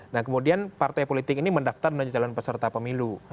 nah kemudian partai politik ini mendaftar menjadi calon peserta pemilu